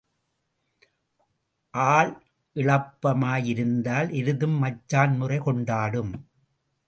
ஆள் இளப்பமாய் இருந்தால் எருதும் மச்சான் முறை கொண்டாடும்.